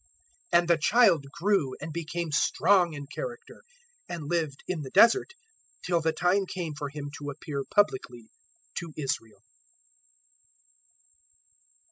001:080 And the child grew and became strong in character, and lived in the Desert till the time came for him to appear publicly to Israel.